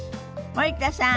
森田さん